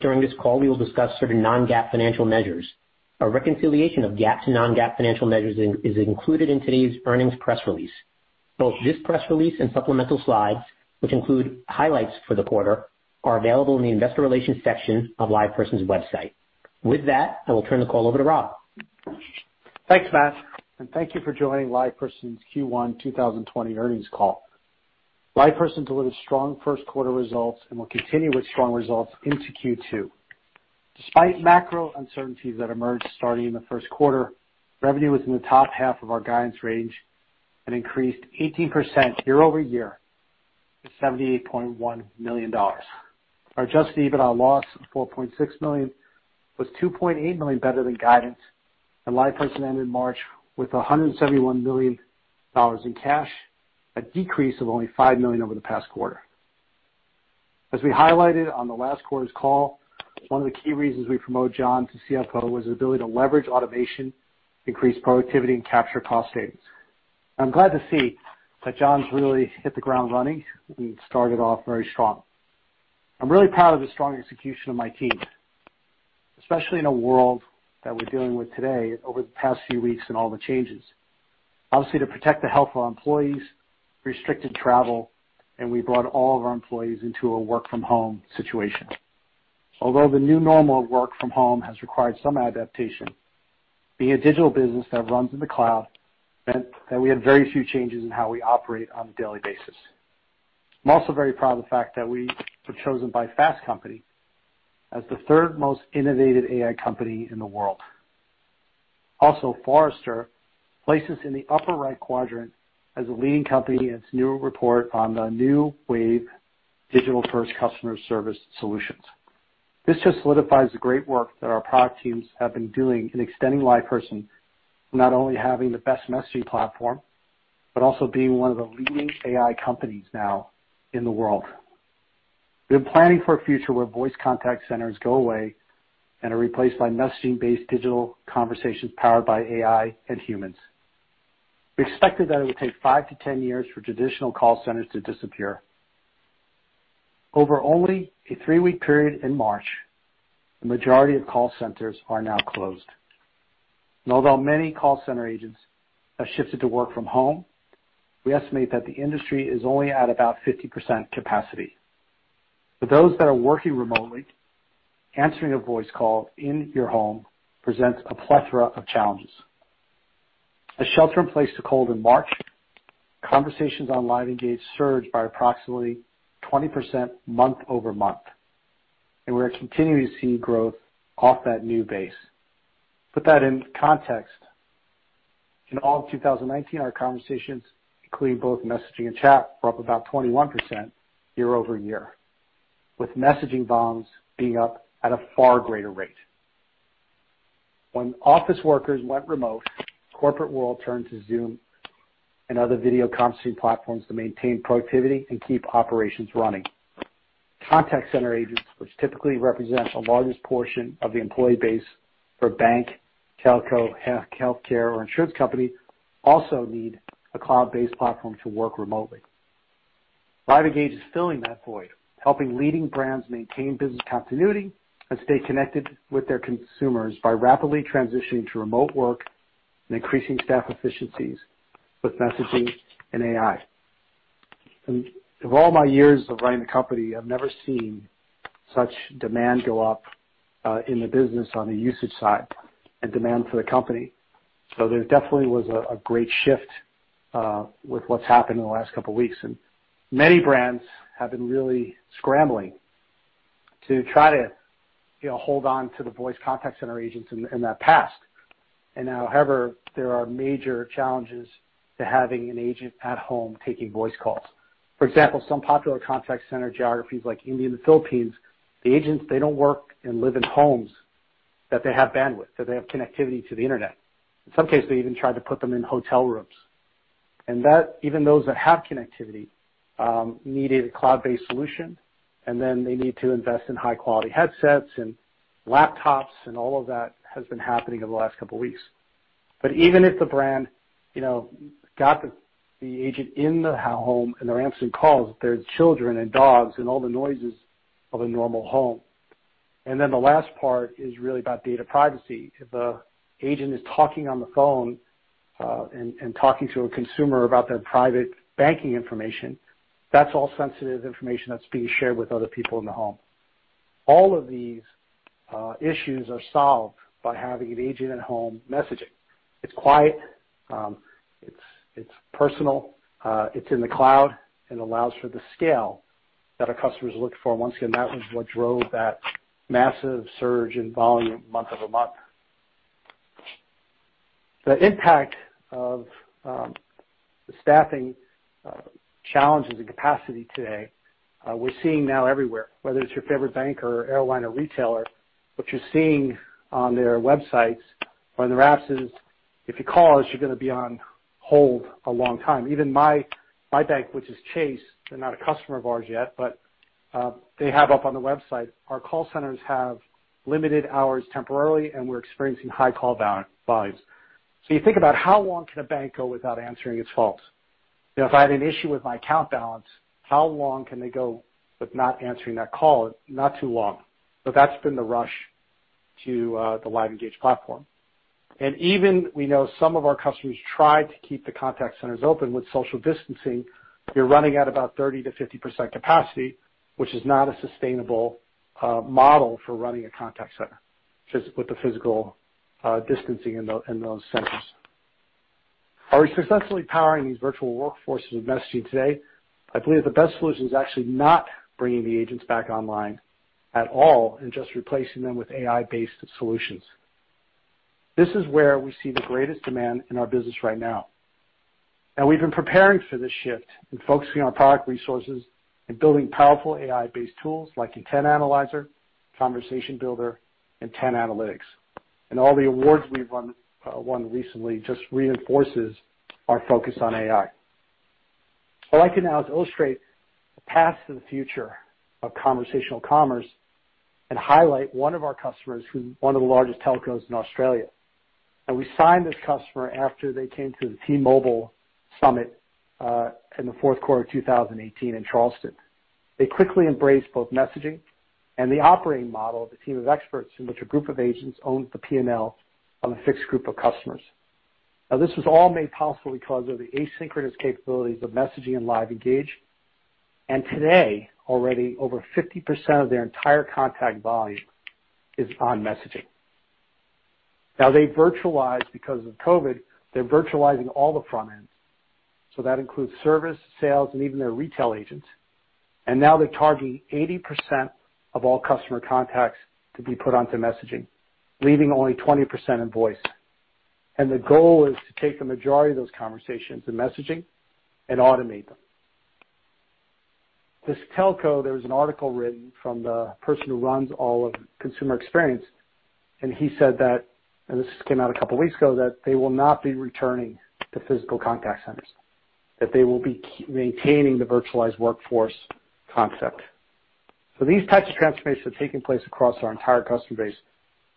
During this call, we will discuss certain non-GAAP financial measures. A reconciliation of GAAP to non-GAAP financial measures is included in today's earnings press release. Both this press release and supplemental slides, which include highlights for the quarter, are available in the investor relations section of LivePerson's website. With that, I will turn the call over to Rob. Thanks, Matt, and thank you for joining LivePerson's Q1 2020 earnings call. LivePerson delivered strong first quarter results and will continue with strong results into Q2. Despite macro uncertainties that emerged starting in the first quarter, revenue was in the top half of our guidance range and increased 18% year-over-year to $78.1 million. Our adjusted EBITDA loss of $4.6 million was $2.8 million better than guidance, and LivePerson ended March with $171 million in cash, a decrease of only $5 million over the past quarter. As we highlighted on the last quarter's call, one of the key reasons we promoted John to CFO was his ability to leverage automation, increase productivity, and capture cost savings. I'm glad to see that John's really hit the ground running and started off very strong. I'm really proud of the strong execution of my team, especially in a world that we're dealing with today over the past few weeks and all the changes. Obviously, to protect the health of our employees, restricted travel, and we brought all of our employees into a work-from-home situation. Although the new normal of work from home has required some adaptation, being a digital business that runs in the cloud meant that we had very few changes in how we operate on a daily basis. I'm also very proud of the fact that we were chosen by Fast Company as the third most innovative AI company in the world. Forrester placed us in the upper right quadrant as a leading company in its new report on the New Wave digital-first customer service solutions. This just solidifies the great work that our product teams have been doing in extending LivePerson, from not only having the best messaging platform, but also being one of the leading AI companies now in the world. We've been planning for a future where voice contact centers go away and are replaced by messaging-based digital conversations powered by AI and humans. We expected that it would take five to ten years for traditional call centers to disappear. Over only a three-week period in March, the majority of call centers are now closed. Although many call center agents have shifted to work from home, we estimate that the industry is only at about 50% capacity. For those that are working remotely, answering a voice call in your home presents a plethora of challenges. As shelter-in-place took hold in March, conversations on LiveEngage surged by approximately 20% month over month. We're continuing to see growth off that new base. Put that in context. In all of 2019, our conversations, including both messaging and chat, were up about 21% year over year, with messaging volumes being up at a far greater rate. When office workers went remote, the corporate world turned to Zoom and other video conferencing platforms to maintain productivity and keep operations running. Contact center agents, which typically represent the largest portion of the employee base for a bank, telco, healthcare, or insurance company, also need a cloud-based platform to work remotely. LiveEngage is filling that void, helping leading brands maintain business continuity and stay connected with their consumers by rapidly transitioning to remote work and increasing staff efficiencies with messaging and AI. Of all my years of running the company, I've never seen such demand go up, in the business on the usage side and demand for the company. There definitely was a great shift with what's happened in the last couple of weeks, and many brands have been really scrambling to try to hold on to the voice contact center agents in that past. Now, however, there are major challenges to having an agent at home taking voice calls. For example, some popular contact center geographies like India and the Philippines, the agents, they don't work and live in homes that they have bandwidth, that they have connectivity to the internet. In some cases, they even tried to put them in hotel rooms. Even those that have connectivity, needed a cloud-based solution, they need to invest in high-quality headsets and laptops and all of that has been happening over the last couple of weeks. Even if the brand got the agent in the home and they're answering calls, there's children and dogs and all the noises of a normal home. The last part is really about data privacy. If the agent is talking on the phone, and talking to a consumer about their private banking information, that's all sensitive information that's being shared with other people in the home. All of these issues are solved by having an agent at home messaging. It's quiet, it's personal, it's in the cloud and allows for the scale that our customers look for. Once again, that was what drove that massive surge in volume month-over-month. The impact of the staffing challenges and capacity today, we're seeing now everywhere, whether it's your favorite bank or airline or retailer, what you're seeing on their websites or in their apps is, "If you call us, you're going to be on hold a long time." Even my bank, which is Chase, they're not a customer of ours yet, but they have up on the website, "Our call centers have limited hours temporarily, and we're experiencing high call volumes." You think about how long can a bank go without answering its calls? If I had an issue with my account balance, how long can they go with not answering that call? Not too long. That's been the rush to the LiveEngage platform. Even we know some of our customers tried to keep the contact centers open with social distancing. You're running at about 30%-50% capacity, which is not a sustainable model for running a contact center, with the physical distancing in those centers. Are we successfully powering these virtual workforces with messaging today? I believe the best solution is actually not bringing the agents back online at all and just replacing them with AI-based solutions. This is where we see the greatest demand in our business right now. We've been preparing for this shift and focusing on product resources and building powerful AI-based tools like Intent Analyzer, Conversation Builder, Intent Analytics. All the awards we've won recently just reinforces our focus on AI. What I can now is illustrate the path to the future of conversational commerce and highlight one of our customers, one of the largest telcos in Australia. We signed this customer after they came to the T-Mobile Summit, in the fourth quarter of 2018 in Charleston. They quickly embraced both messaging and the operating model of a team of experts in which a group of agents owned the P&L of a fixed group of customers. This was all made possible because of the asynchronous capabilities of messaging and LiveEngage. Today, already over 50% of their entire contact volume is on messaging. They virtualize because of COVID, they're virtualizing all the front ends. That includes service, sales, and even their retail agents. Now they're targeting 80% of all customer contacts to be put onto messaging, leaving only 20% in voice. The goal is to take the majority of those conversations in messaging and automate them. This telco, there was an article written from the person who runs all of consumer experience, and he said that, and this just came out a couple of weeks ago, that they will not be returning to physical contact centers, that they will be maintaining the virtualized workforce concept. These types of transformations are taking place across our entire customer base.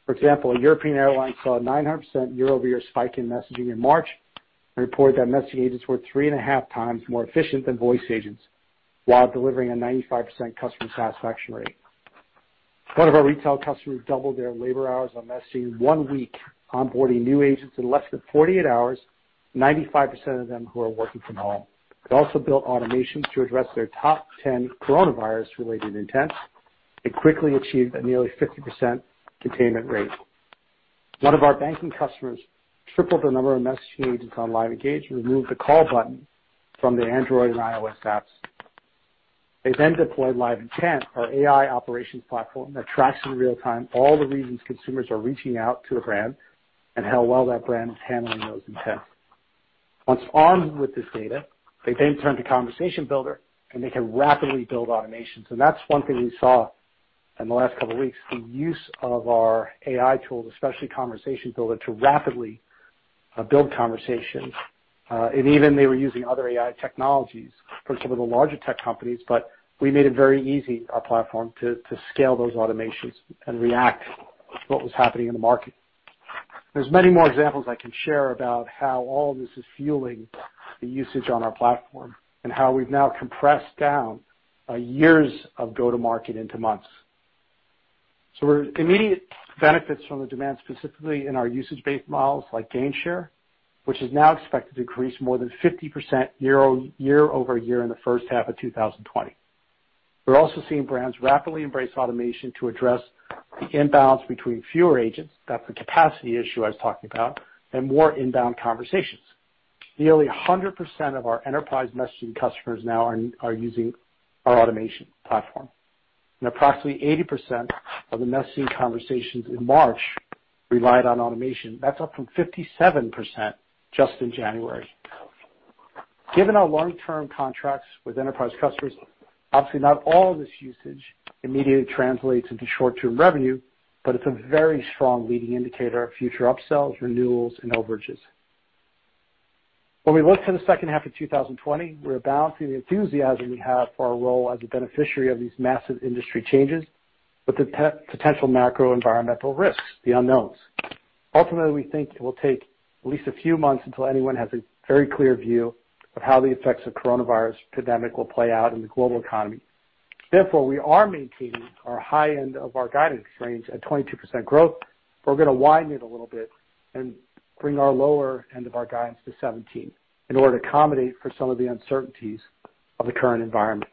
For example, a European airline saw a 900% year-over-year spike in messaging in March and reported that messaging agents were three and a half times more efficient than voice agents, while delivering a 95% customer satisfaction rate. One of our retail customers doubled their labor hours on messaging in one week, onboarding new agents in less than 48 hours, 95% of them who are working from home. They also built automation to address their top 10 coronavirus-related intents and quickly achieved a nearly 50% containment rate. One of our banking customers tripled the number of messaging agents on LiveEngage and removed the call button from their Android and iOS apps. They then deployed LiveIntent, our AI operations platform that tracks in real time all the reasons consumers are reaching out to a brand and how well that brand is handling those intents. Once armed with this data, they then turn to Conversation Builder, they can rapidly build automations. That's one thing we saw in the last couple of weeks, the use of our AI tools, especially Conversation Builder, to rapidly build conversations. Even they were using other AI technologies from some of the larger tech companies, but we made it very easy, our platform, to scale those automations and react to what was happening in the market. There's many more examples I can share about how all this is fueling the usage on our platform and how we've now compressed down years of go-to-market into months. There are immediate benefits from the demand, specifically in our usage-based models like Gainshare, which is now expected to increase more than 50% year-over-year in the first half of 2020. We're also seeing brands rapidly embrace automation to address the imbalance between fewer agents, that's the capacity issue I was talking about, and more inbound conversations. Nearly 100% of our enterprise messaging customers now are using our automation platform. Approximately 80% of the messaging conversations in March relied on automation. That's up from 57% just in January. Given our long-term contracts with enterprise customers, obviously not all this usage immediately translates into short-term revenue, but it's a very strong leading indicator of future upsells, renewals, and overages. When we look to the second half of 2020, we're balancing the enthusiasm we have for our role as a beneficiary of these massive industry changes with the potential macro-environmental risks, the unknowns. Ultimately, we think it will take at least a few months until anyone has a very clear view of how the effects of coronavirus pandemic will play out in the global economy. Therefore, we are maintaining our high end of our guidance range at 22% growth, but we're going to widen it a little bit and bring our lower end of our guidance to 17% in order to accommodate for some of the uncertainties of the current environment.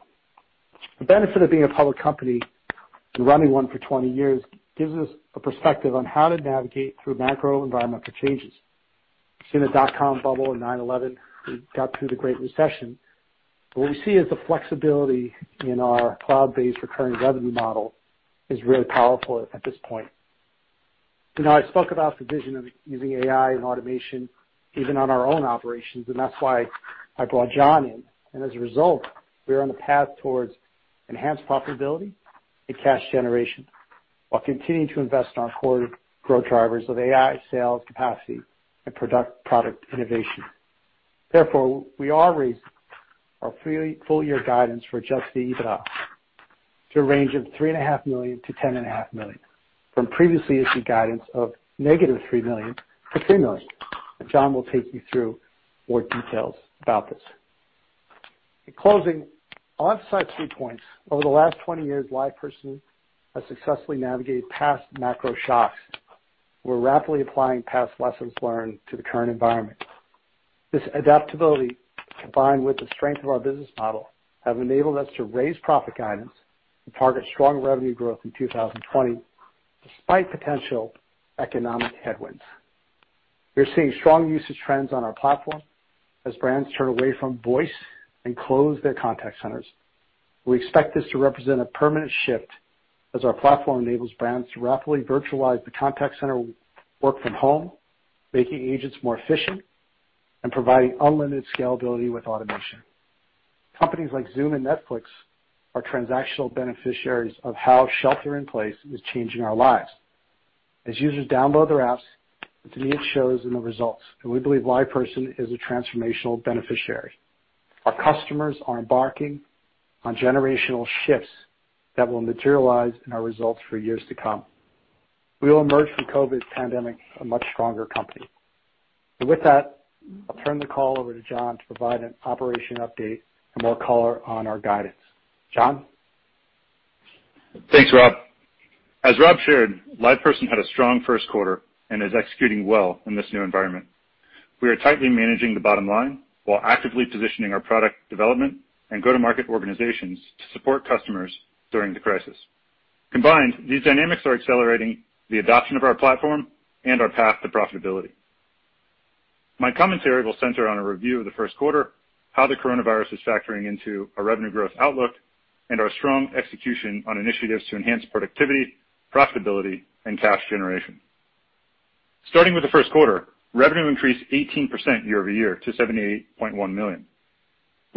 The benefit of being a public company and running one for 20 years gives us a perspective on how to navigate through macro-environmental changes. Seen the dotcom bubble and 9/11, we got through the Great Recession. What we see is the flexibility in our cloud-based recurring revenue model is really powerful at this point. Tonight, I spoke about the vision of using AI and automation even on our own operations, and that's why I brought John in. As a result, we are on the path towards enhanced profitability and cash generation while continuing to invest in our core growth drivers of AI, sales, capacity, and product innovation. Therefore, we are raising our full-year guidance for adjusted EBITDA to a range of $3.5 million-$10.5 million, from previously issued guidance of -$3 million-$3 million. John will take you through more details about this. In closing, I'll emphasize three points. Over the last 20 years, LivePerson has successfully navigated past macro shocks. We're rapidly applying past lessons learned to the current environment. This adaptability, combined with the strength of our business model, have enabled us to raise profit guidance and target strong revenue growth in 2020 despite potential economic headwinds. We're seeing strong usage trends on our platform as brands turn away from voice and close their contact centers. We expect this to represent a permanent shift as our platform enables brands to rapidly virtualize the contact center, work from home, making agents more efficient, and providing unlimited scalability with automation. Companies like Zoom and Netflix are transactional beneficiaries of how shelter in place is changing our lives. As users download their apps, to me, it shows in the results, and we believe LivePerson is a transformational beneficiary. Our customers are embarking on generational shifts that will materialize in our results for years to come. We will emerge from COVID pandemic a much stronger company. With that, I'll turn the call over to John to provide an operation update and more color on our guidance. John? Thanks, Rob. As Rob shared, LivePerson had a strong first quarter and is executing well in this new environment. We are tightly managing the bottom line while actively positioning our product development and go-to-market organizations to support customers during the crisis. Combined, these dynamics are accelerating the adoption of our platform and our path to profitability. My commentary will center on a review of the first quarter, how the coronavirus is factoring into our revenue growth outlook, and our strong execution on initiatives to enhance productivity, profitability, and cash generation. Starting with the first quarter, revenue increased 18% year-over-year to $78.1 million.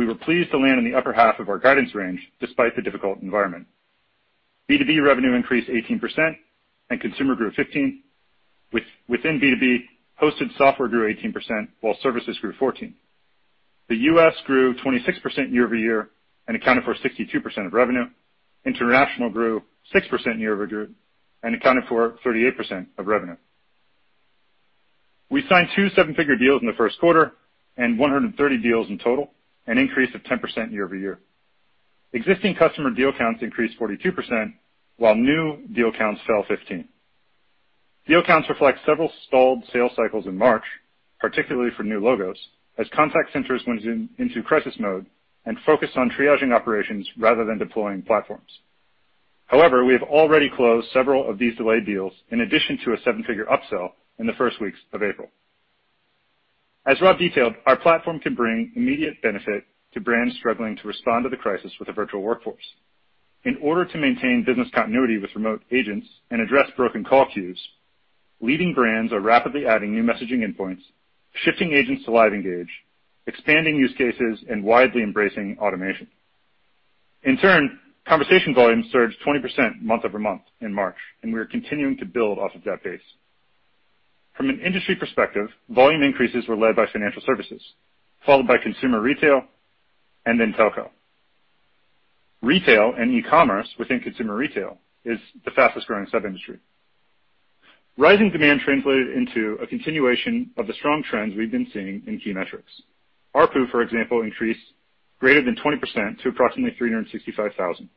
We were pleased to land in the upper half of our guidance range despite the difficult environment. B2B revenue increased 18% and consumer grew 15%. Within B2B, hosted software grew 18%, while services grew 14%. The U.S. grew 26% year-over-year and accounted for 62% of revenue. International grew 6% year-over-year and accounted for 38% of revenue. We signed two seven-figure deals in the first quarter and 130 deals in total, an increase of 10% year-over-year. Existing customer deal counts increased 42%, while new deal counts fell 15%. Deal counts reflect several stalled sales cycles in March, particularly for new logos, as contact centers went into crisis mode and focused on triaging operations rather than deploying platforms. However, we have already closed several of these delayed deals in addition to a seven-figure upsell in the first weeks of April. As Rob detailed, our platform can bring immediate benefit to brands struggling to respond to the crisis with a virtual workforce. In order to maintain business continuity with remote agents and address broken call queues, leading brands are rapidly adding new messaging endpoints, shifting agents to LiveEngage, expanding use cases, and widely embracing automation. In turn, conversation volumes surged 20% month-over-month in March, and we are continuing to build off of that base. From an industry perspective, volume increases were led by financial services, followed by consumer retail and then telco. Retail and e-commerce within consumer retail is the fastest growing sub-industry. Rising demand translated into a continuation of the strong trends we've been seeing in key metrics. ARPU, for example, increased greater than 20% to approximately $365,000.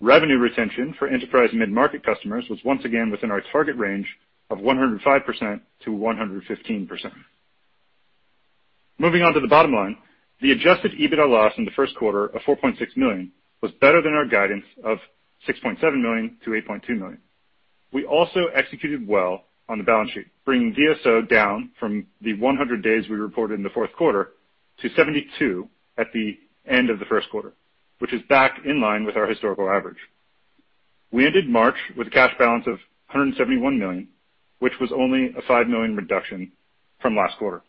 Revenue retention for enterprise mid-market customers was once again within our target range of 105%-115%. Moving on to the bottom line, the adjusted EBITDA loss in the first quarter of $4.6 million was better than our guidance of $6.7 million-$8.2 million. We also executed well on the balance sheet, bringing DSO down from the 100 days we reported in the fourth quarter to 72 at the end of the first quarter, which is back in line with our historical average. We ended March with a cash balance of $171 million, which was only a $5 million reduction from last quarter.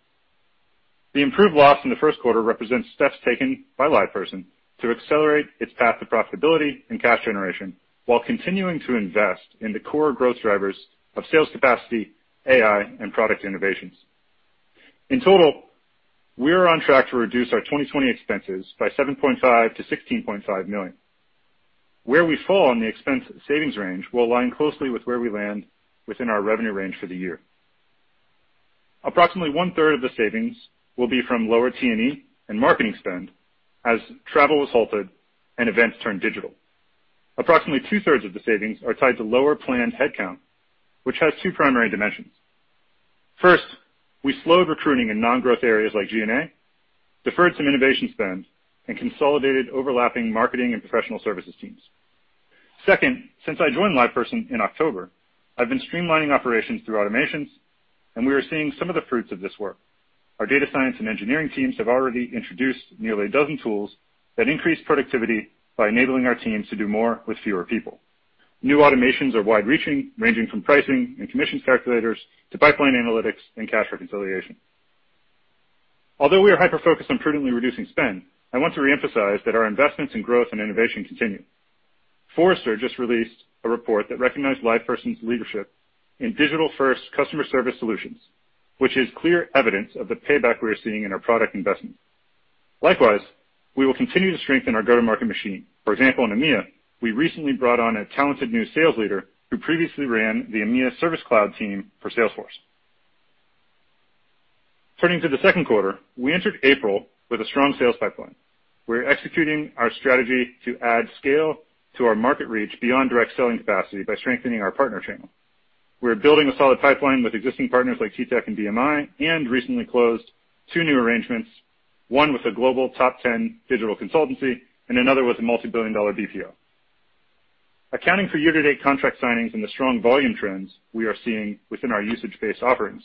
The improved loss in the first quarter represents steps taken by LivePerson to accelerate its path to profitability and cash generation while continuing to invest in the core growth drivers of sales capacity, AI, and product innovations. In total, we are on track to reduce our 2020 expenses by $7.5 million-$16.5 million. Where we fall in the expense savings range will align closely with where we land within our revenue range for the year. Approximately 1/3 of the savings will be from lower T&E and marketing spend as travel was halted and events turned digital. Approximately 2/3 of the savings are tied to lower planned headcount, which has two primary dimensions. First, we slowed recruiting in non-growth areas like G&A, deferred some innovation spend, and consolidated overlapping marketing and professional services teams. Second, since I joined LivePerson in October, I've been streamlining operations through automations, and we are seeing some of the fruits of this work. Our data science and engineering teams have already introduced nearly a dozen tools that increase productivity by enabling our teams to do more with fewer people. New automations are wide-reaching, ranging from pricing and commissions calculators to pipeline analytics and cash reconciliation. Although we are hyper-focused on prudently reducing spend, I want to reemphasize that our investments in growth and innovation continue. Forrester just released a report that recognized LivePerson's leadership in digital-first customer service solutions. Which is clear evidence of the payback we are seeing in our product investments. Likewise, we will continue to strengthen our go-to-market machine. For example, in EMEA, we recently brought on a talented new sales leader who previously ran the EMEA Service Cloud team for Salesforce. Turning to the second quarter, we entered April with a strong sales pipeline. We're executing our strategy to add scale to our market reach beyond direct selling capacity by strengthening our partner channel. We're building a solid pipeline with existing partners like TTEC and DMI, and recently closed two new arrangements, one with a global top 10 digital consultancy and another with a multibillion-dollar BPO. Accounting for year-to-date contract signings and the strong volume trends we are seeing within our usage-based offerings,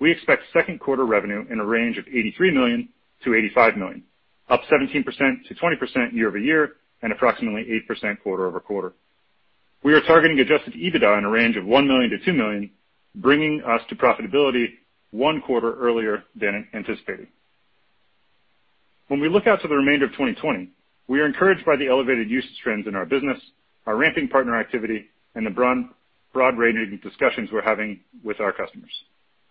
we expect second quarter revenue in a range of $83 million-$85 million, up 17%-20% year-over-year, and approximately 8% quarter-over-quarter. We are targeting adjusted EBITDA in a range of $1 million-$2 million, bringing us to profitability one quarter earlier than anticipated. When we look out to the remainder of 2020, we are encouraged by the elevated usage trends in our business, our ramping partner activity, and the broad range of discussions we're having with our customers.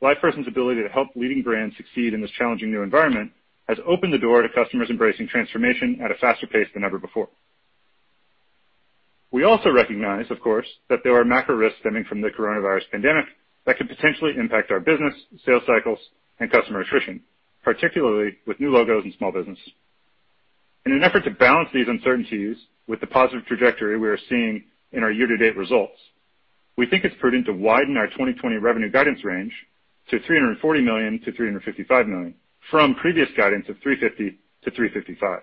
LivePerson's ability to help leading brands succeed in this challenging new environment has opened the door to customers embracing transformation at a faster pace than ever before. We also recognize, of course, that there are macro risks stemming from the coronavirus pandemic that could potentially impact our business, sales cycles, and customer attrition, particularly with new logos and small business. In an effort to balance these uncertainties with the positive trajectory we are seeing in our year-to-date results, we think it's prudent to widen our 2020 revenue guidance range to $340 million-$355 million, from previous guidance of $350-$355.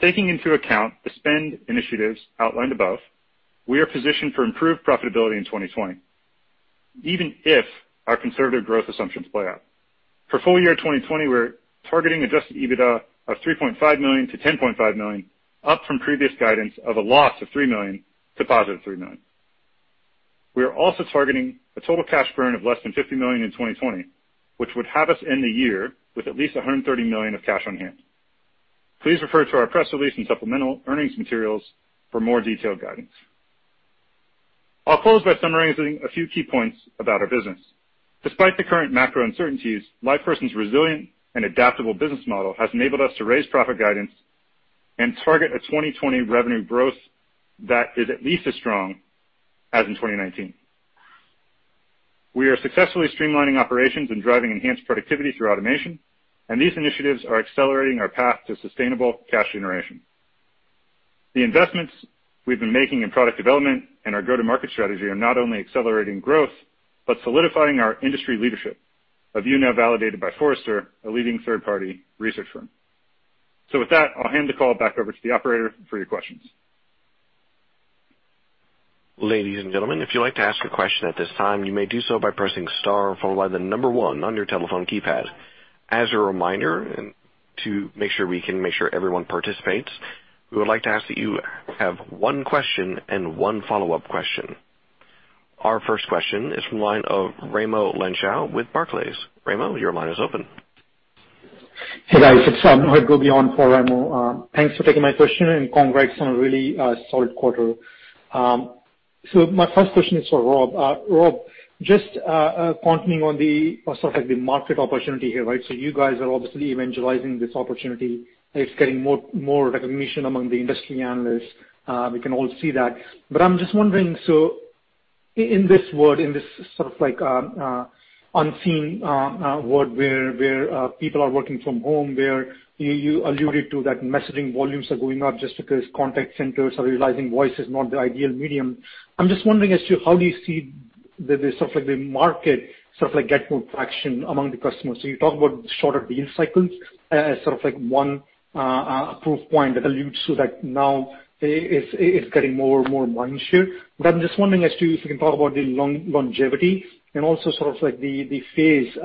Taking into account the spend initiatives outlined above, we are positioned for improved profitability in 2020, even if our conservative growth assumptions play out. For full year 2020, we're targeting adjusted EBITDA of $3.5 million-$10.5 million, up from previous guidance of a loss of $3 million to +$3 million. We are also targeting a total cash burn of less than $50 million in 2020, which would have us end the year with at least $130 million of cash on hand. Please refer to our press release and supplemental earnings materials for more detailed guidance. I'll close by summarizing a few key points about our business. Despite the current macro uncertainties, LivePerson's resilient and adaptable business model has enabled us to raise profit guidance and target a 2020 revenue growth that is at least as strong as in 2019. We are successfully streamlining operations and driving enhanced productivity through automation. These initiatives are accelerating our path to sustainable cash generation. The investments we've been making in product development and our go-to-market strategy are not only accelerating growth, but solidifying our industry leadership, as we're now validated by Forrester, a leading third-party research firm. With that, I'll hand the call back over to the operator for your questions. Ladies and gentlemen, if you'd like to ask a question at this time, you may do so by pressing star followed by the number one on your telephone keypad. As a reminder, to make sure everyone participates, we would like to ask that you have one question and one follow-up question. Our first question is from line of Raimo Lenschow with Barclays. Raimo, your line is open. Hey, guys. It's Mohit Gogia for Raimo. Thanks for taking my question, and congrats on a really solid quarter. My first question is for Rob. Rob, just, continuing on the market opportunity here, right? You guys are obviously evangelizing this opportunity, and it's getting more recognition among the industry analysts. We can all see that. I'm just wondering, so in this world, in this unseen world where people are working from home, where you alluded to that messaging volumes are going up just because contact centers are realizing voice is not the ideal medium. I'm just wondering as to how do you see the market get more traction among the customers? You talk about shorter deal cycles as one proof point that alludes to that now it's getting more and more mind share. I'm just wondering as to if you can talk about the longevity and also the phase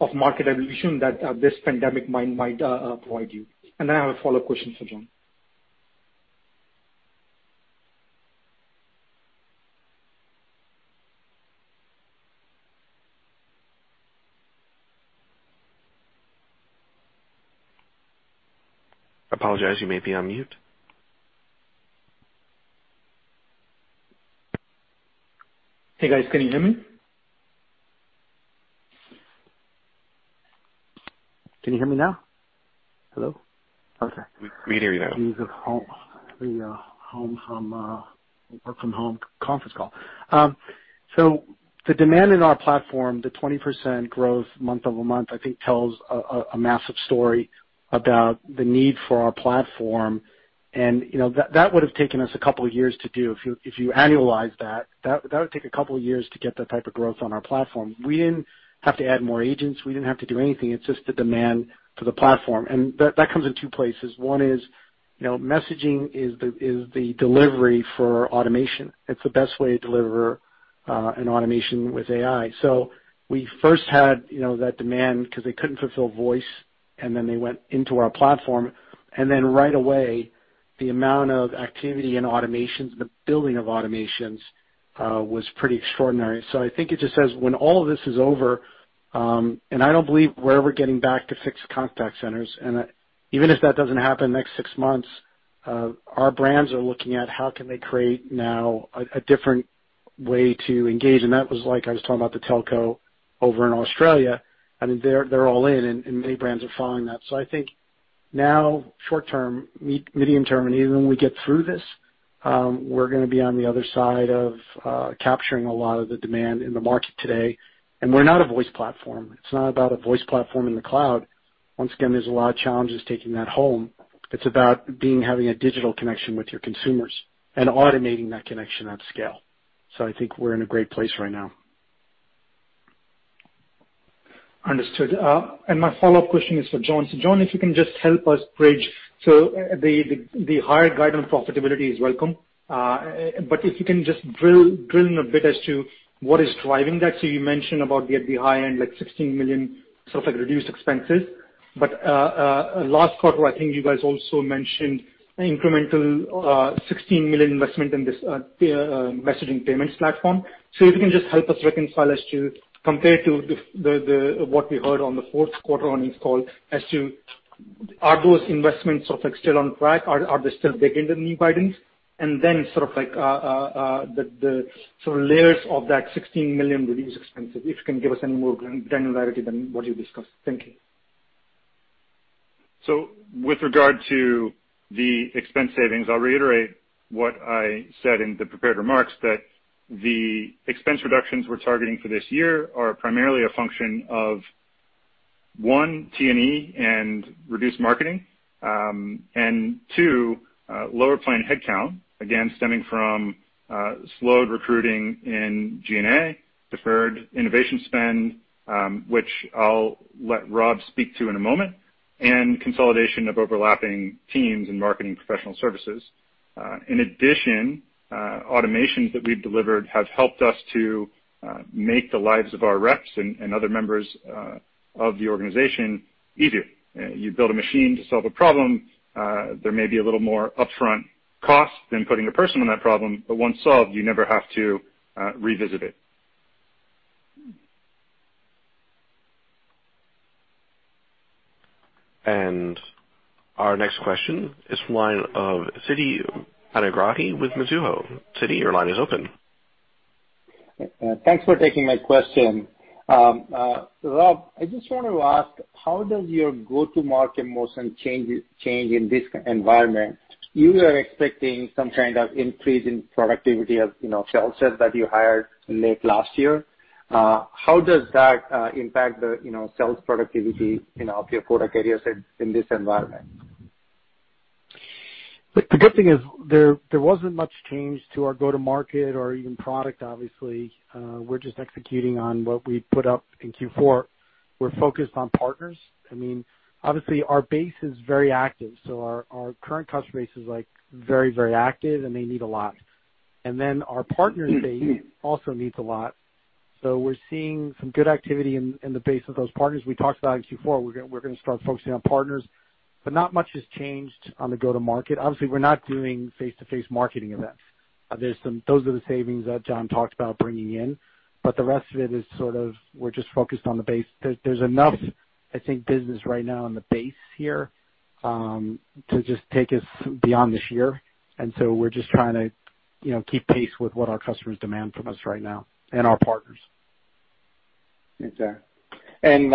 of market evolution that this pandemic might provide you. Then I have a follow-up question for John. I apologize, you might be on mute. Hey, guys. Can you hear me? Can you hear me now? Hello? Okay. We can hear you now. The demand in our platform, the 20% growth month-over-month, I think, tells a massive story about the need for our platform. That would've taken us a couple of years to do. If you annualize that would take a couple of years to get that type of growth on our platform. We didn't have to add more agents. We didn't have to do anything. It's just the demand for the platform. That comes in two places. One is, messaging is the delivery for automation. It's the best way to deliver an automation with AI. We first had that demand because they couldn't fulfill voice, and then they went into our platform. Then right away, the amount of activity in automations, the building of automations, was pretty extraordinary. I think it just says, when all of this is over. I don't believe we're ever getting back to fixed contact centers. Even if that doesn't happen in the next six months, our brands are looking at how can they create now a different way to engage. That was like I was talking about the telco over in Australia. They're all in, and many brands are following that. I think now, short-term, medium-term, and even when we get through this, we're going to be on the other side of capturing a lot of the demand in the market today. We're not a voice platform. It's not about a voice platform in the cloud. Once again, there's a lot of challenges taking that home. It's about having a digital connection with your consumers and automating that connection at scale. I think we're in a great place right now. Understood. My follow-up question is for John. John, if you can just help us bridge. The higher guidance profitability is welcome. If you can just drill in a bit as to what is driving that. You mentioned about at the high end, $16 million sort of like reduced expenses. Last quarter, I think you guys also mentioned an incremental $16 million investment in this messaging payments platform. If you can just help us reconcile as to compare to what we heard on the fourth quarter earnings call as to are those investments still on track? Are they still baked into the new guidance? Then the layers of that $16 million reduced expenses, if you can give us any more granularity than what you discussed. Thank you. With regard to the expense savings, I'll reiterate what I said in the prepared remarks that the expense reductions we're targeting for this year are primarily a function of, one, T&E and reduced marketing, and two, lower planned headcount, again, stemming from slowed recruiting in G&A, deferred innovation spend, which I'll let Rob speak to in a moment, and consolidation of overlapping teams in marketing professional services. In addition, automations that we've delivered have helped us to make the lives of our reps and other members of the organization easier. You build a machine to solve a problem, there may be a little more upfront cost than putting a person on that problem, but once solved, you never have to revisit it. Our next question is from the line of Siti Panigrahi with Mizuho. Siti, your line is open. Thanks for taking my question. Rob, I just wanted to ask, how does your go-to-market motion change in this environment? You are expecting some kind of increase in productivity of sales reps that you hired late last year. How does that impact the sales productivity of your product areas in this environment? The good thing is there wasn't much change to our go-to-market or even product, obviously. We're just executing on what we put up in Q4. We're focused on partners. Obviously, our base is very active, so our current customer base is very active, and they need a lot. Our partner base also needs a lot. We're seeing some good activity in the base of those partners. We talked about in Q4, we're going to start focusing on partners. Not much has changed on the go-to-market. Obviously, we're not doing face-to-face marketing events. Those are the savings that John talked about bringing in. The rest of it is we're just focused on the base. There's enough, I think, business right now in the base here, to just take us beyond this year. We're just trying to keep pace with what our customers demand from us right now, and our partners. Okay. A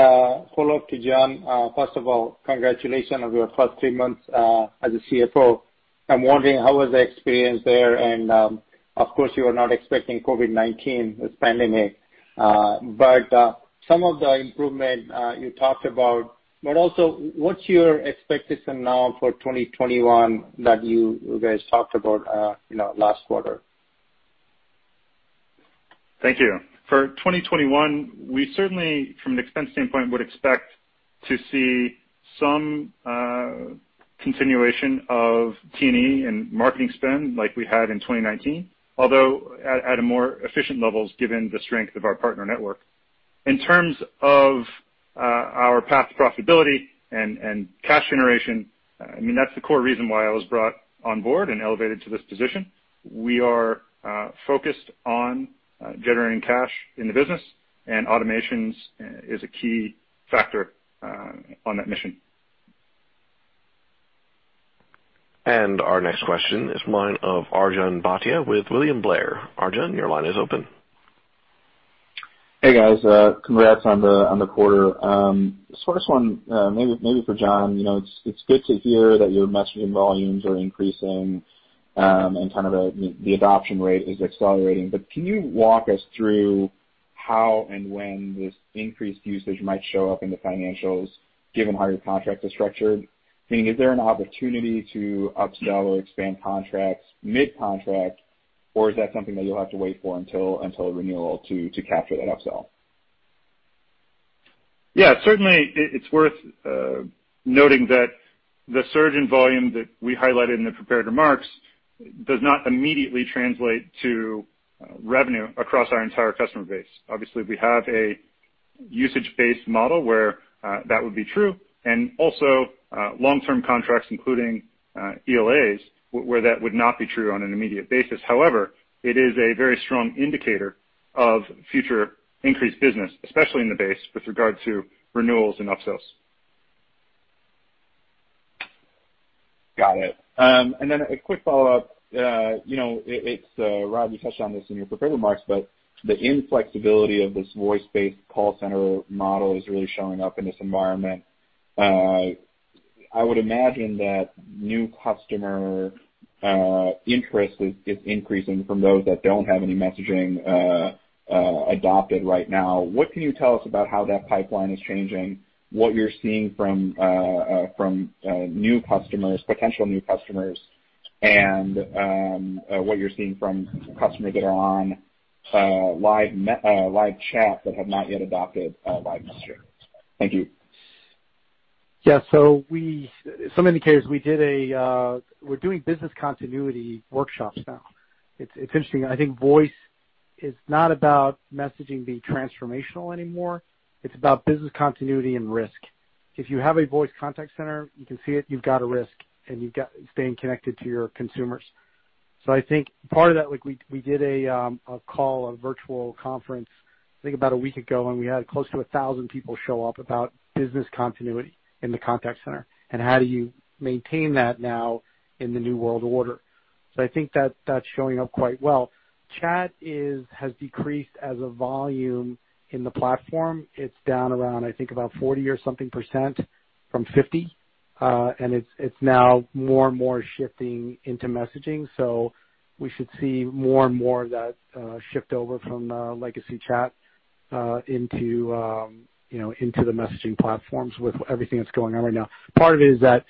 follow-up to John. First of all, congratulations on your first three months as a CFO. I'm wondering how was the experience there? Of course, you were not expecting COVID-19, this pandemic. Some of the improvement you talked about. Also, what's your expectation now for 2021 that you guys talked about last quarter? Thank you. For 2021, we certainly, from an expense standpoint, would expect to see some continuation of T&E and marketing spend like we had in 2019, although at more efficient levels given the strength of our partner network. In terms of our path to profitability and cash generation, that's the core reason why I was brought on board and elevated to this position. We are focused on generating cash in the business. Automations is a key factor on that mission. Our next question is from the line of Arjun Bhatia with William Blair. Arjun, your line is open. Hey, guys. Congrats on the quarter. This first one, maybe for John. It's good to hear that your messaging volumes are increasing and the adoption rate is accelerating. Can you walk us through how and when this increased usage might show up in the financials given how your contracts are structured? Is there an opportunity to upsell or expand contracts mid-contract, or is that something that you'll have to wait for until a renewal to capture that upsell? Yeah. Certainly, it's worth noting that the surge in volume that we highlighted in the prepared remarks does not immediately translate to revenue across our entire customer base. Obviously, we have a usage-based model where that would be true, and also long-term contracts, including ELAs, where that would not be true on an immediate basis. However, it is a very strong indicator of future increased business, especially in the base with regard to renewals and upsells. Got it. A quick follow-up. Rob, you touched on this in your prepared remarks, the inflexibility of this voice-based call center model is really showing up in this environment. I would imagine that new customer interest is increasing from those that don't have any messaging adopted right now. What can you tell us about how that pipeline is changing, what you're seeing from potential new customers, and what you're seeing from customers that are on live chat but have not yet adopted live messaging? Thank you. Yeah. Some indicators, we're doing business continuity workshops now. It's interesting. I think voice is not about messaging being transformational anymore. It's about business continuity and risk. If you have a voice contact center, you can see it, you've got a risk, and you've got staying connected to your consumers. I think part of that, we did a call, a virtual conference, I think about a week ago, and we had close to 1,000 people show up about business continuity in the contact center, and how do you maintain that now in the new world order. I think that's showing up quite well. Chat has decreased as a volume in the platform. It's down around, I think, about 40 or something percent from 50%. It's now more and more shifting into messaging. We should see more and more of that shift over from legacy chat into the messaging platforms with everything that's going on right now. Part of it is that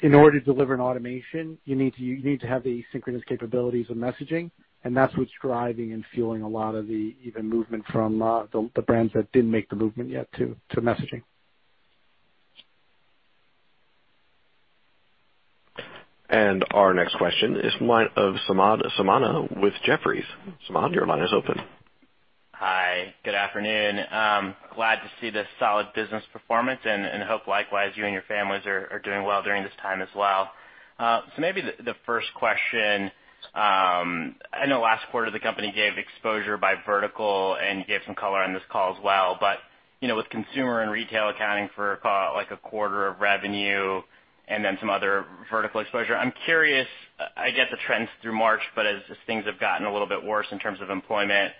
in order to deliver an automation, you need to have the synchronous capabilities of messaging, and that's what's driving and fueling a lot of the even movement from the brands that didn't make the movement yet to messaging. Our next question is line of Samad Samana with Jefferies. Samad, your line is open. Hi. Good afternoon. Glad to see the solid business performance and hope, likewise, you and your families are doing well during this time as well. Maybe the first question, I know last quarter the company gave exposure by vertical, and you gave some color on this call as well. With consumer and retail accounting for a quarter of revenue and then some other vertical exposure, I'm curious, I get the trends through March, but as things have gotten a little bit worse in terms of employment,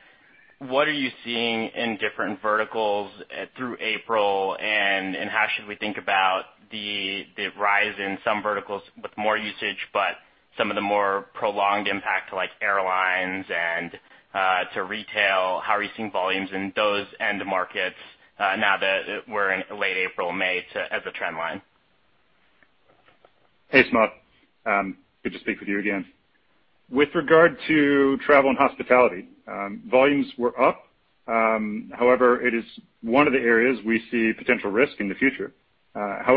what are you seeing in different verticals through April, and how should we think about the rise in some verticals with more usage, but some of the more prolonged impact to airlines and to retail? How are you seeing volumes in those end markets now that we're in late April, May as a trend line? Hey, Samad. Good to speak with you again. With regard to travel and hospitality, volumes were up. It is one of the areas we see potential risk in the future. I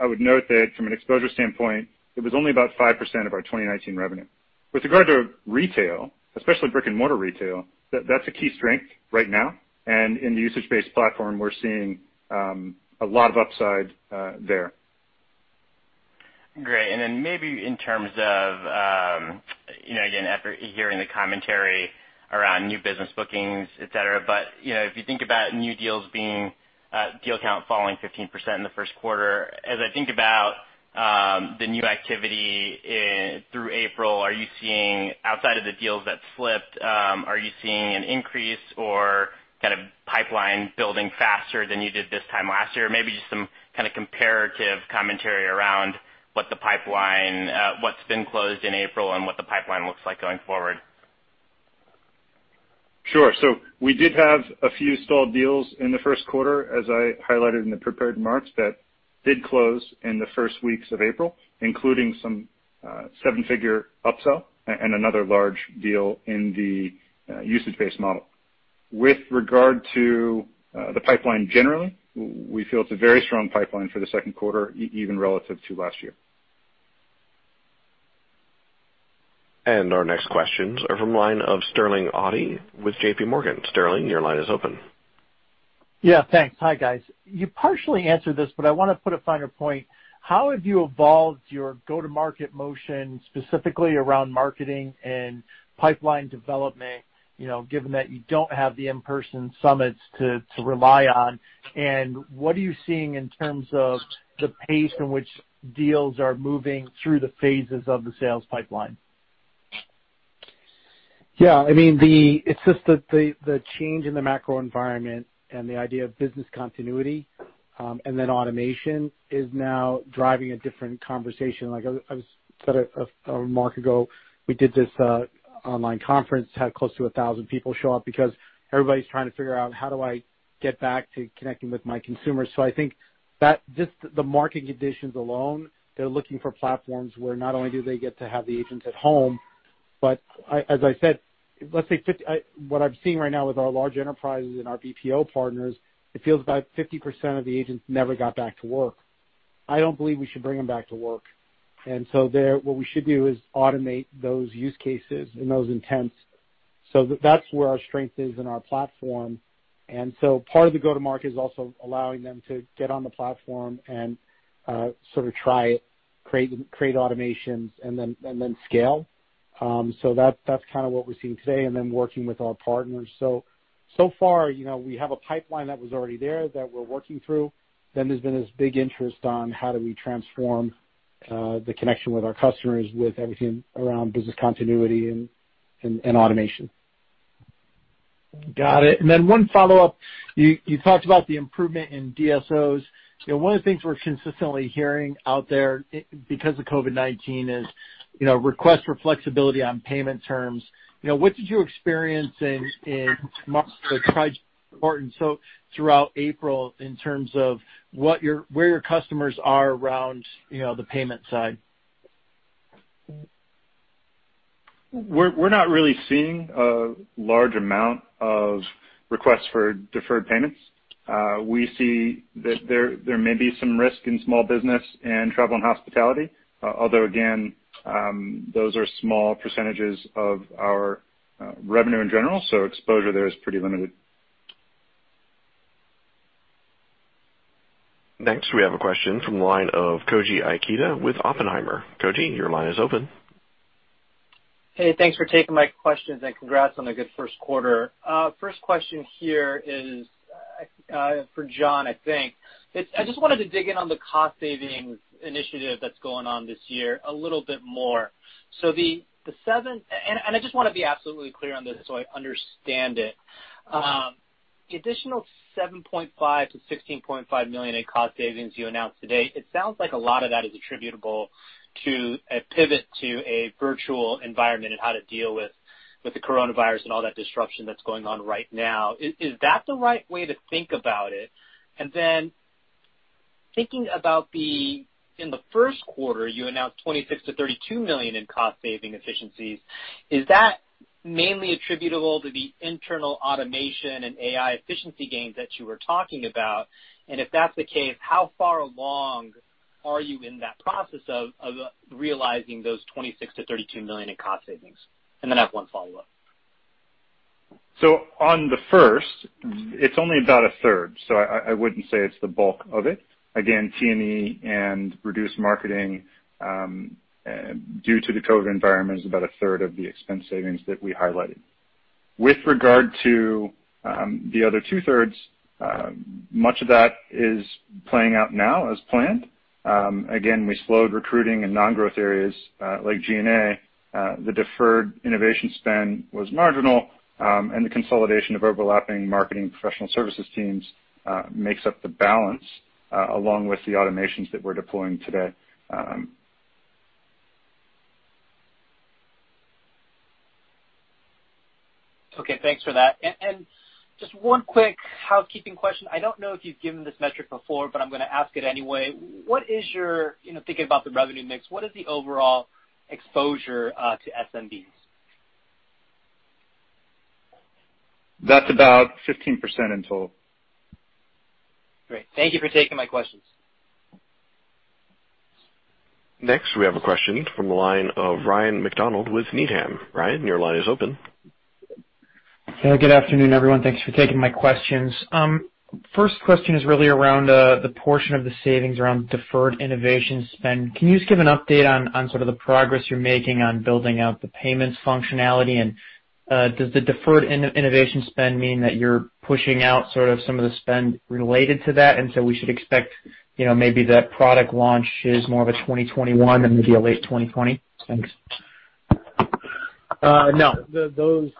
would note that from an exposure standpoint, it was only about 5% of our 2019 revenue. With regard to retail, especially brick-and-mortar retail, that's a key strength right now. In the usage-based platform, we're seeing a lot of upside there. Great. Then maybe in terms of, again, after hearing the commentary around new business bookings, et cetera, but if you think about new deals being deal count falling 15% in the first quarter, as I think about the new activity through April, outside of the deals that slipped, are you seeing an increase or kind of pipeline building faster than you did this time last year? Maybe just some kind of comparative commentary around what's been closed in April and what the pipeline looks like going forward. We did have a few stalled deals in the first quarter, as I highlighted in the prepared remarks, that did close in the first weeks of April, including some seven-figure upsell and another large deal in the usage-based model. With regard to the pipeline generally, we feel it's a very strong pipeline for the second quarter, even relative to last year. Our next questions are from line of Sterling Auty with JPMorgan. Sterling, your line is open. Yeah, thanks. Hi, guys. You partially answered this, but I want to put a finer point. How have you evolved your go-to-market motion, specifically around marketing and pipeline development, given that you don't have the in-person summits to rely on? What are you seeing in terms of the pace in which deals are moving through the phases of the sales pipeline? Yeah. It's just the change in the macro environment and the idea of business continuity, and then automation is now driving a different conversation. Like I said a month ago, we did this online conference, had close to 1,000 people show up because everybody's trying to figure out, how do I get back to connecting with my consumers? I think just the market conditions alone, they're looking for platforms where not only do they get to have the agents at home, but as I said, what I'm seeing right now with our large enterprises and our BPO partners, it feels about 50% of the agents never got back to work. I don't believe we should bring them back to work. What we should do is automate those use cases and those intents. That's where our strength is in our platform. Part of the go-to-market is also allowing them to get on the platform and sort of try it, create automations, and then scale. That's what we're seeing today, and then working with our partners. So far, we have a pipeline that was already there that we're working through. There's been this big interest on how do we transform the connection with our customers, with everything around business continuity and automation. Got it. One follow-up. You talked about the improvement in DSOs. One of the things we're consistently hearing out there because of COVID-19 is request for flexibility on payment terms. What did you experience in March that important, so throughout April, in terms of where your customers are around the payment side? We're not really seeing a large amount of requests for deferred payments. We see that there may be some risk in small business and travel and hospitality, although again, those are small percentages of our revenue in general, so exposure there is pretty limited. Next, we have a question from the line of Koji Ikeda with Oppenheimer. Koji, your line is open. Hey, thanks for taking my questions, and congrats on a good first quarter. First question here is for John, I think. I just wanted to dig in on the cost savings initiative that's going on this year a little bit more. I just want to be absolutely clear on this so I understand it. The additional $7.5 million-$16.5 million in cost savings you announced today, it sounds like a lot of that is attributable to a pivot to a virtual environment and how to deal with the coronavirus and all that disruption that's going on right now. Is that the right way to think about it? Thinking about in the first quarter, you announced $26 million-$32 million in cost-saving efficiencies. Is that mainly attributable to the internal automation and AI efficiency gains that you were talking about? If that's the case, how far along are you in that process of realizing those $26 million-$32 million in cost savings? I have one follow-up. On the first, it's only about a third, so I wouldn't say it's the bulk of it. Again, T&E and reduced marketing due to the COVID environment is about a third of the expense savings that we highlighted. With regard to the other 2/3, much of that is playing out now as planned. Again, we slowed recruiting in non-growth areas like G&A. The deferred innovation spend was marginal, and the consolidation of overlapping marketing professional services teams makes up the balance, along with the automations that we're deploying today. Okay. Thanks for that. Just one quick housekeeping question. I don't know if you've given this metric before, but I'm going to ask it anyway. Thinking about the revenue mix, what is the overall exposure to SMBs? That's about 15% in total. Great. Thank you for taking my questions. Next, we have a question from the line of Ryan MacDonald with Needham. Ryan, your line is open. Yeah. Good afternoon, everyone. Thanks for taking my questions. First question is really around the portion of the savings around deferred innovation spend. Can you just give an update on sort of the progress you're making on building out the payments functionality? Does the deferred innovation spend mean that you're pushing out sort of some of the spend related to that, and so we should expect maybe that product launch is more of a 2021 than maybe a late 2020? Thanks. No. Those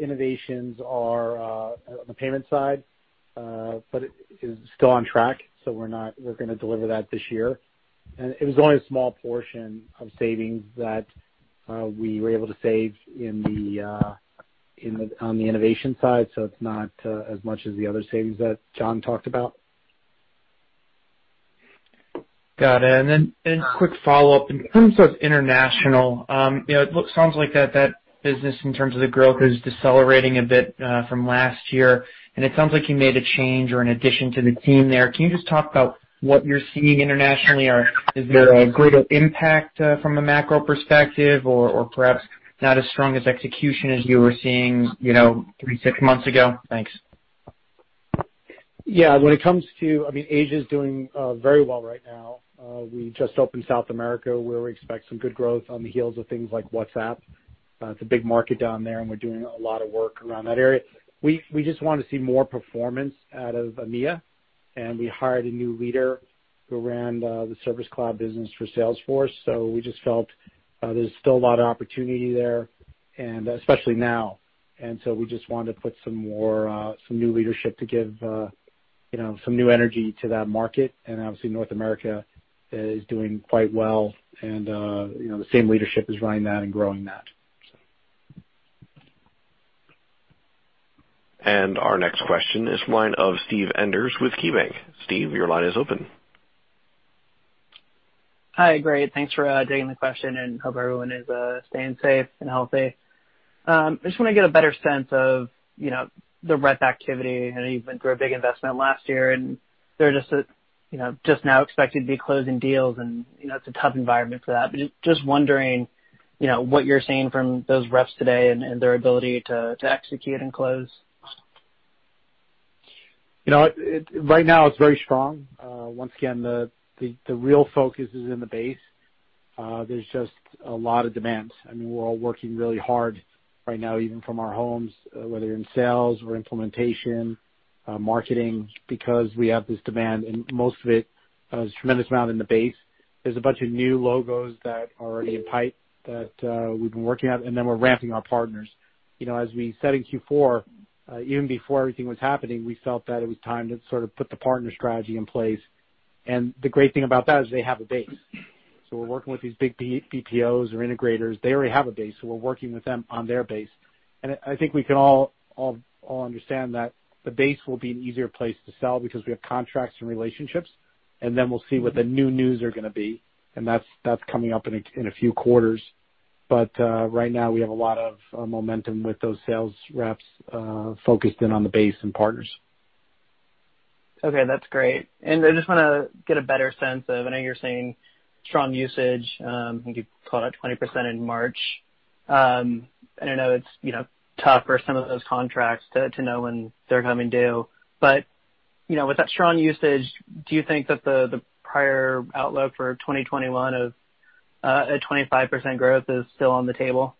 innovations are on the payment side. It is still on track, so we're going to deliver that this year. It was only a small portion of savings that we were able to save on the innovation side, so it's not as much as the other savings that John talked about. Got it. Quick follow-up. In terms of international, it sounds like that business in terms of the growth is decelerating a bit from last year, it sounds like you made a change or an addition to the team there. Can you just talk about what you're seeing internationally? Is there a greater impact from a macro perspective or perhaps not as strong as execution as you were seeing three, six months ago? Thanks. Yeah. I mean, Asia's doing very well right now. We just opened South America, where we expect some good growth on the heels of things like WhatsApp. It's a big market down there, and we're doing a lot of work around that area. We just want to see more performance out of EMEA, and we hired a new leader who ran the Service Cloud business for Salesforce. We just felt there's still a lot of opportunity there, and especially now. We just wanted to put some new leadership to give some new energy to that market. North America is doing quite well, and the same leadership is running that and growing that. Our next question is from the line of Steve Enders with KeyBanc. Steve, your line is open. Hi. Great. Thanks for taking the question, and hope everyone is staying safe and healthy. I just want to get a better sense of the rep activity. I know you went through a big investment last year, and they're just now expected to be closing deals, and it's a tough environment for that. Just wondering what you're seeing from those reps today and their ability to execute and close. Right now it's very strong. Once again, the real focus is in the base. There's just a lot of demands. We're all working really hard right now, even from our homes, whether in sales or implementation, marketing, because we have this demand, and most of it is a tremendous amount in the base. There's a bunch of new logos that are already in pipe that we've been working at, and then we're ramping our partners. As we said in Q4, even before everything was happening, we felt that it was time to sort of put the partner strategy in place. The great thing about that is they have a base. We're working with these big BPOs or integrators. They already have a base, so we're working with them on their base. I think we can all understand that the base will be an easier place to sell because we have contracts and relationships, and then we'll see what the new news are going to be, and that's coming up in a few quarters. Right now we have a lot of momentum with those sales reps focused in on the base and partners. Okay, that's great. I just want to get a better sense of, I know you're saying strong usage. I think you called out 20% in March. I know it's tough for some of those contracts to know when they're coming due. With that strong usage, do you think that the prior outlook for 2021 of a 25% growth is still on the table?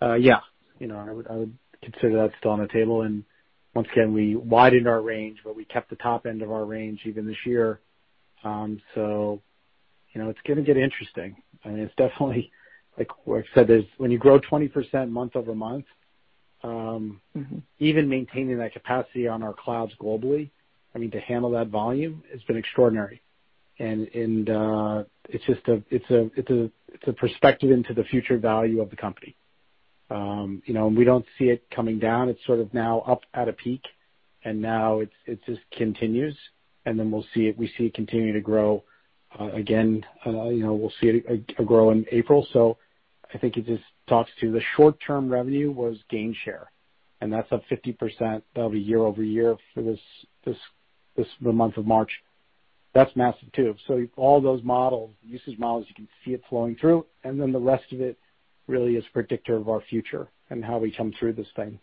Yeah. I would consider that still on the table. Once again, we widened our range, but we kept the top end of our range even this year. It's going to get interesting. It's definitely, like I said, when you grow 20% month-over-month, even maintaining that capacity on our clouds globally, to handle that volume, has been extraordinary. It's a perspective into the future value of the company. We don't see it coming down. It's sort of now up at a peak, now it just continues, we see it continuing to grow. Again, we'll see it grow in April. I think it just talks to the short-term revenue was Gainshare, and that's up 50% year-over-year for the month of March. That's massive, too. All those models, usage models, you can see it flowing through, the rest of it really is predictor of our future and how we come through this thing.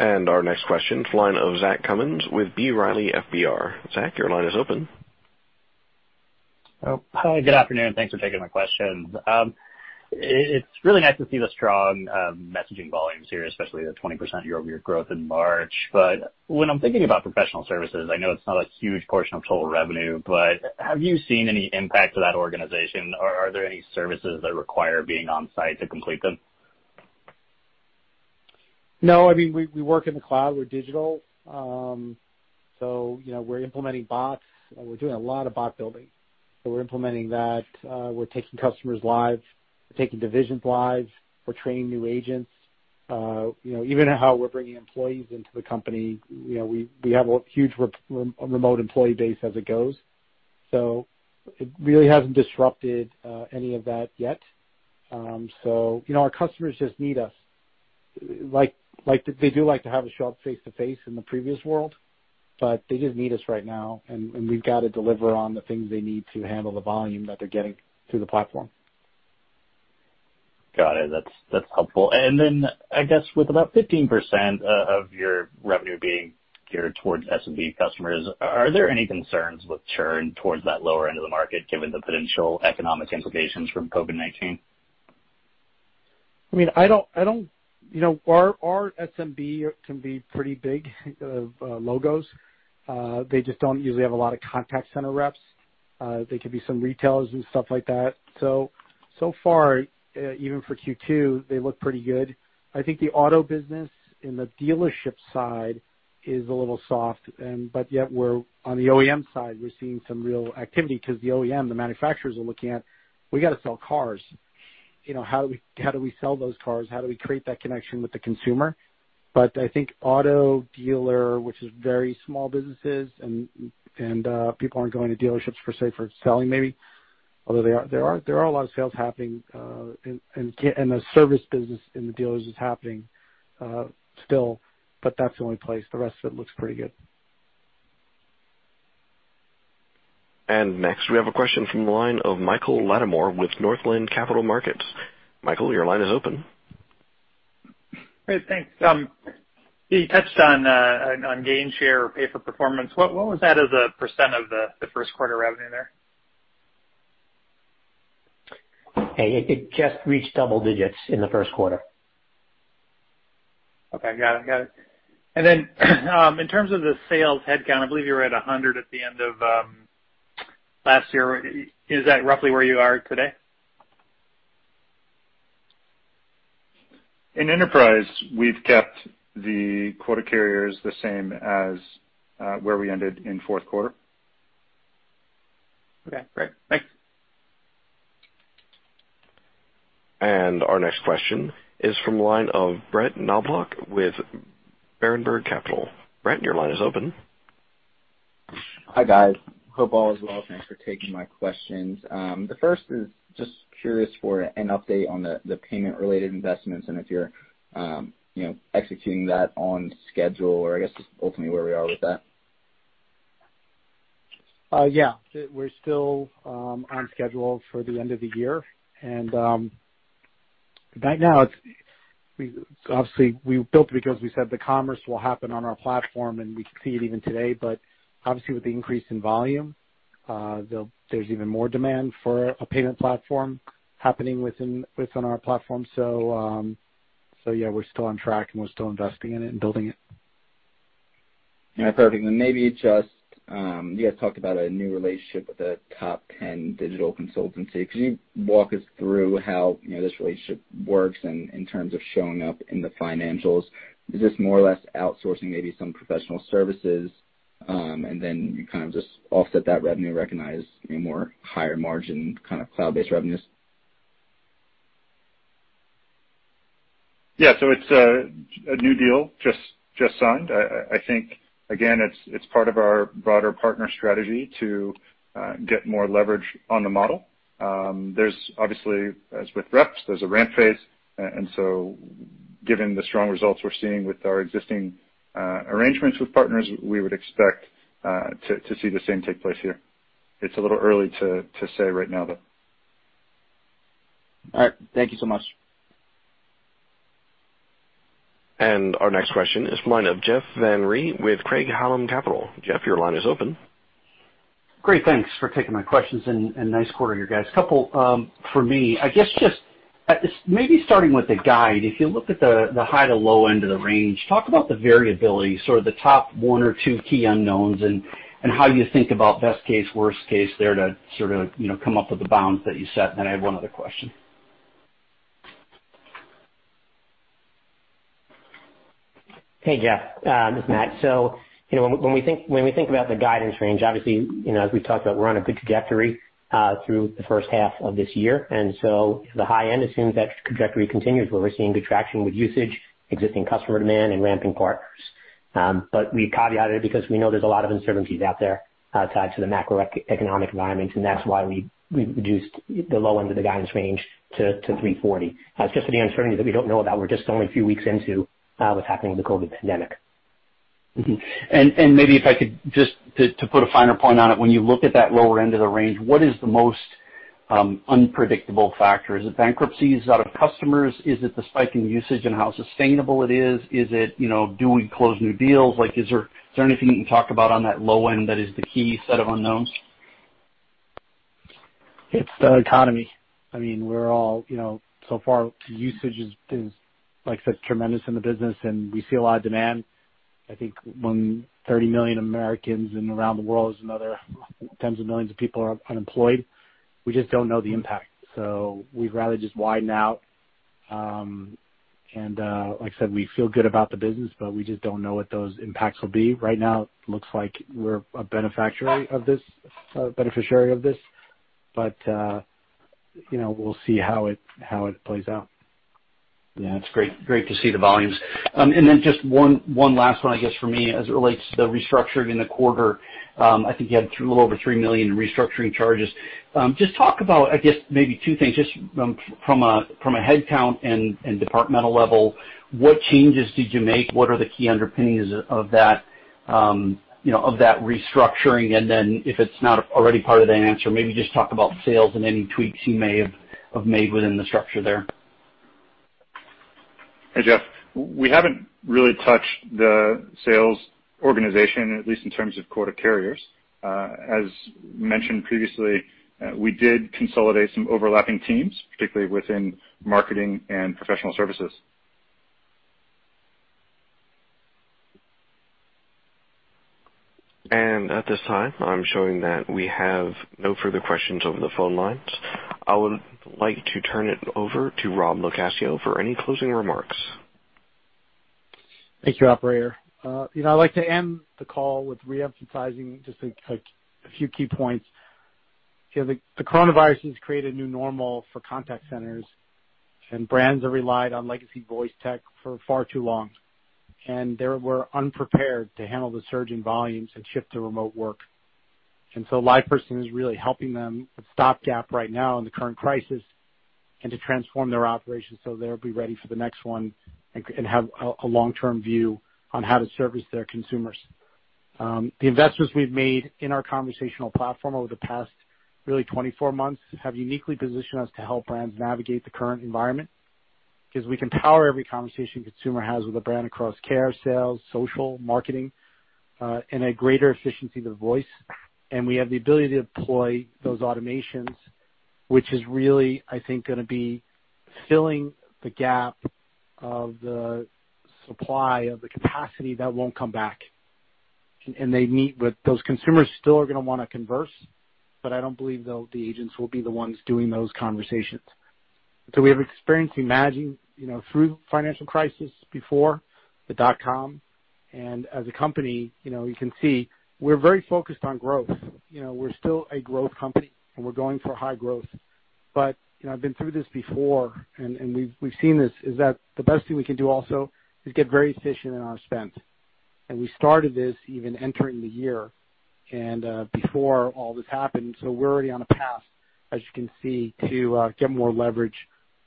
Our next question, line of Zach Cummins with B. Riley FBR. Zach, your line is open. Oh, hi. Good afternoon. Thanks for taking my questions. It's really nice to see the strong messaging volumes here, especially the 20% year-over-year growth in March. When I'm thinking about professional services, I know it's not a huge portion of total revenue, but have you seen any impact to that organization? Are there any services that require being on-site to complete them? No. We work in the cloud. We're digital. We're implementing bots. We're doing a lot of bot building. We're implementing that. We're taking customers live. We're taking divisions live. We're training new agents. Even how we're bringing employees into the company, we have a huge remote employee base as it goes. It really hasn't disrupted any of that yet. Our customers just need us. They do like to have a show up face-to-face in the previous world, but they just need us right now, and we've got to deliver on the things they need to handle the volume that they're getting through the platform. Got it. That's helpful. I guess with about 15% of your revenue being geared towards SMB customers, are there any concerns with churn towards that lower end of the market, given the potential economic implications from COVID-19? Our SMB can be pretty big of logos. They just don't usually have a lot of contact center reps. They could be some retailers and stuff like that. So far, even for Q2, they look pretty good. I think the auto business in the dealership side is a little soft. On the OEM side, we're seeing some real activity because the OEM, the manufacturers are looking at, we got to sell cars. How do we sell those cars? How do we create that connection with the consumer? I think auto dealer, which is very small businesses, and people aren't going to dealerships per se for selling maybe, although there are a lot of sales happening, and the service business in the dealers is happening still, but that's the only place. The rest of it looks pretty good. Next, we have a question from the line of Michael Latimore with Northland Capital Markets. Michael, your line is open. Great. Thanks. You touched on Gainshare or pay for performance. What was that as a percent of the first quarter revenue there? It just reached double digits in the first quarter. Okay. Got it. In terms of the sales headcount, I believe you were at 100 at the end of last year. Is that roughly where you are today? In enterprise, we've kept the quota carriers the same as where we ended in fourth quarter. Okay, great. Thanks. Our next question is from the line of Brett Knoblauch with Berenberg Capital. Brett, your line is open. Hi, guys. Hope all is well. Thanks for taking my questions. The first is just curious for an update on the payment-related investments and if you're executing that on schedule or I guess just ultimately where we are with that. We're still on schedule for the end of the year. Right now, obviously, we built because we said the commerce will happen on our platform, and we can see it even today. Obviously, with the increase in volume, there's even more demand for a payment platform happening within our platform. We're still on track, and we're still investing in it and building it. Yeah, perfect. Maybe just, you had talked about a new relationship with a top 10 digital consultancy. Could you walk us through how this relationship works in terms of showing up in the financials? Is this more or less outsourcing maybe some professional services, and then you kind of just offset that revenue, recognize more higher margin kind of cloud-based revenues? Yeah. It's a new deal, just signed. I think, again, it's part of our broader partner strategy to get more leverage on the model. There's obviously, as with reps, there's a ramp phase. Given the strong results we're seeing with our existing arrangements with partners, we would expect to see the same take place here. It's a little early to say right now, though. All right. Thank you so much. Our next question is from Jeff Van Rhee with Craig-Hallum Capital. Jeff, your line is open. Great. Thanks for taking my questions, and nice quarter, you guys. Couple for me. I guess just maybe starting with the guide, if you look at the high to low end of the range, talk about the variability, sort of the top one or two key unknowns, and how you think about best case, worst case there to sort of come up with the bounds that you set, then I have one other question. Hey, Jeff. This is Matt. When we think about the guidance range, obviously, as we've talked about, we're on a good trajectory through the first half of this year. The high end assumes that trajectory continues where we're seeing good traction with usage, existing customer demand, and ramping partners. We caveated it because we know there's a lot of uncertainties out there tied to the macroeconomic environment, and that's why we reduced the low end of the guidance range to $340. It's just that the uncertainty that we don't know about, we're just only a few weeks into what's happening with the COVID pandemic. Mm-hmm. Maybe if I could just to put a finer point on it, when you look at that lower end of the range, what is the most unpredictable factor? Is it bankruptcies out of customers? Is it the spike in usage and how sustainable it is? Is it doing close new deals? Is there anything you can talk about on that low end that is the key set of unknowns? It's the economy. Our usage is, like I said, tremendous in the business, and we see a lot of demand. I think when 30 million Americans and around the world is another tens of millions of people are unemployed, we just don't know the impact. We'd rather just widen out. Like I said, we feel good about the business, but we just don't know what those impacts will be. Right now it looks like we're a beneficiary of this, but we'll see how it plays out. Yeah. It's great to see the volumes. Then just one last one, I guess, for me, as it relates to the restructuring in the quarter. I think you had a little over $3 million in restructuring charges. Just talk about, I guess maybe two things, just from a headcount and departmental level, what changes did you make? What are the key underpinnings of that restructuring? Then if it's not already part of the answer, maybe just talk about sales and any tweaks you may have made within the structure there. Hey, Jeff. We haven't really touched the sales organization, at least in terms of quota carriers. As mentioned previously, we did consolidate some overlapping teams, particularly within marketing and professional services. At this time, I'm showing that we have no further questions over the phone lines. I would like to turn it over to Rob LoCascio for any closing remarks. Thank you, operator. I'd like to end the call with re-emphasizing just a few key points. The coronavirus has created a new normal for contact centers. Brands have relied on legacy voice tech for far too long, and they were unprepared to handle the surge in volumes and shift to remote work. LivePerson is really helping them with stopgap right now in the current crisis and to transform their operations so they'll be ready for the next one and have a long-term view on how to service their consumers. The investments we've made in our conversational platform over the past really 24 months have uniquely positioned us to help brands navigate the current environment because we can power every conversation a consumer has with a brand across care, sales, social, marketing, and a greater efficiency to the voice. We have the ability to deploy those automations, which is really, I think, going to be filling the gap of the supply of the capacity that won't come back. They meet with those consumers still are going to want to converse, but I don't believe the agents will be the ones doing those conversations. We have experience emerging through financial crisis before the dotcom. As a company, you can see we're very focused on growth. We're still a growth company, and we're going for high growth. I've been through this before, and we've seen this, is that the best thing we can do also is get very efficient in our spend. We started this even entering the year and before all this happened. We're already on a path, as you can see, to get more leverage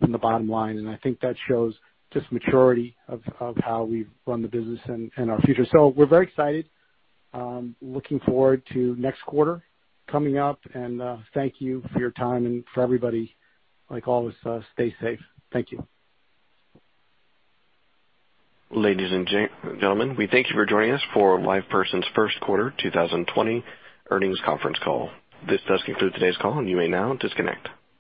from the bottom line, and I think that shows just maturity of how we've run the business and our future. We're very excited. Looking forward to next quarter coming up. Thank you for your time and for everybody, like always, stay safe. Thank you. Ladies and gentlemen, we thank you for joining us for LivePerson's first quarter 2020 earnings conference call. This does conclude today's call, and you may now disconnect.